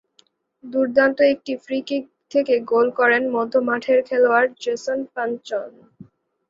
দুর্দান্ত একটি free kick থেকে গোল করেন মধ্য মাঠের খেলোয়াড় জেসন পানচন।